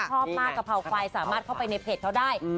ชอบมากกะเพราควายสามารถเข้าไปในเพจเขาได้